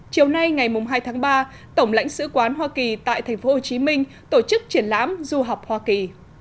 chiều nay ngày hai tháng ba tổng lãnh sự quán hoa kỳ tại tp hcm tổ chức triển lãm du học hoa kỳ